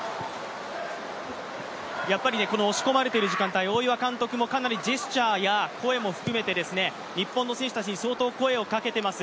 押し込まれている時間帯、大岩監督もかなりジェスチャーや声も含めて、日本の選手たちに相当声をかけています。